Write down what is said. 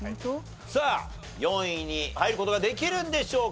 さあ４位に入る事ができるんでしょうか？